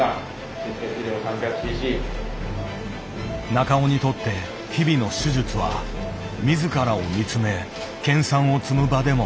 中尾にとって日々の手術は自らを見つめ研さんを積む場でもある。